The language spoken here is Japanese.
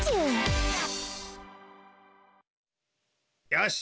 よし！